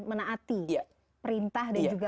menaati perintah dan juga